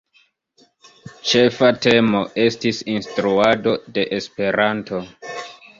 Ĉefa temo estis "Instruado de Esperanto".